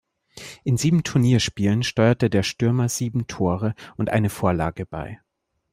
In sieben Turnierspielen steuerte der Stürmer sieben Tore und eine Vorlage bei.